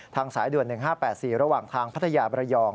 สายด่วน๑๕๘๔ระหว่างทางพัทยาบรยอง